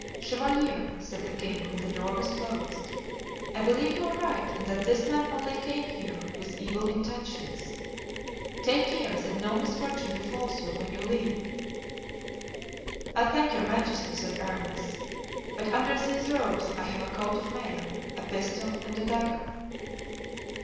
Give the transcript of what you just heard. "Chevalier," said the king, when the door was closed, "I believe you are right and that this man only came here with evil intentions. Take care that no misfortune befalls you when you leave." "I thank your majesty," said Aramis, "but under these robes I have a coat of mail, a pistol and a dagger."